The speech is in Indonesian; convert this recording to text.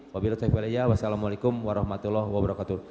wassalamu'alaikum warahmatullahi wabarakatuh